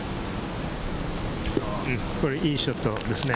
いいショットですね。